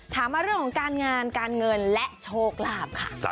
ถามมาเรื่องของการงานการเงินและโชคลาภค่ะ